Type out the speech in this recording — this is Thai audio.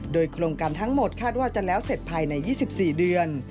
โดยโครงการทั้งหมดคาดว่าจะแล้วเสร็จภายใน๒๔เดือน